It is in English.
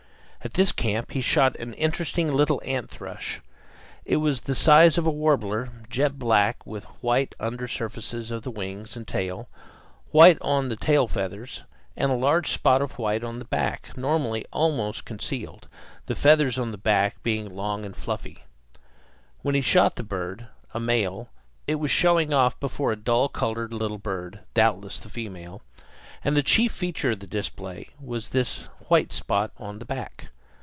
At this camp he shot an interesting little ant thrush. It was the size of a warbler, jet black, with white under surfaces of the wings and tail, white on the tail feathers, and a large spot of white on the back, normally almost concealed, the feathers on the back being long and fluffy. When he shot the bird, a male, it was showing off before a dull colored little bird, doubtless the female; and the chief feature of the display was this white spot on the back.